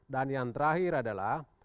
dan yang terakhir adalah